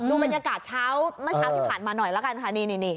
ดูบรรยากาศเช้ามะเช้าที่ผ่านมาหน่อยแล้วกันค่ะนี่